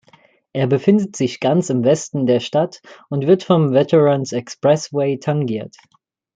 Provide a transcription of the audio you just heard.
Er befindet sich ganz im Westen der Stadt und wird vom "Veterans Expressway" tangiert.